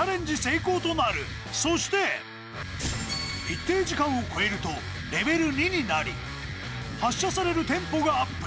一定時間を超えるとレベル２になり発射されるテンポがアップ。